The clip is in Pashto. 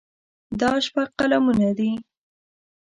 دا شپږ قلمونه دي.